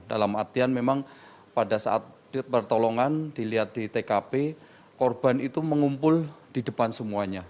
dalam artian memang pada saat pertolongan dilihat di tkp korban itu mengumpul di depan semuanya